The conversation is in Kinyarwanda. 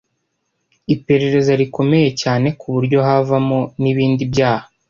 iperereza rikomeye cyane kuburyo havamo ni bindi byaha